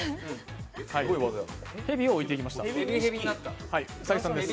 ヘビを置いてきました。